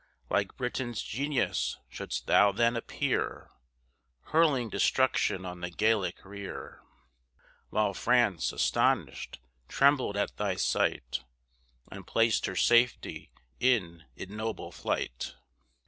Like Britain's genius shouldst thou then appear, Hurling destruction on the Gallic rear While France, astonished, trembled at thy sight, And placed her safety in ignoble flight.